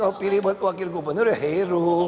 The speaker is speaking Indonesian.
kalau pilih buat wakil gubernur ya heru